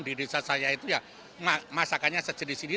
di desa saya itu ya masakannya sejenis ini